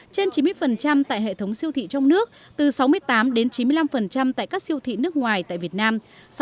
trên chín mươi tại hệ thống siêu thị trong nước từ sáu mươi tám đến chín mươi năm tại các siêu thị nước ngoài tại việt nam